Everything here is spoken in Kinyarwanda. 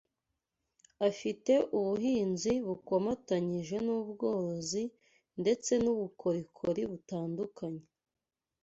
Afite ubuhinzi bukomatanyije n’ubworozi ndetse n’ubukorikori butandukanye.